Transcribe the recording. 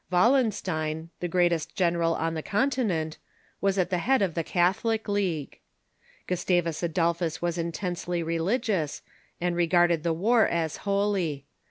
Wallenstein, the greatest general on the Continent, was at the head of the Catholic League. Gustavus (;J^gtr^vus Adolphus Avas intensely religious, and re Adolphus ^,.. garded the war as holy.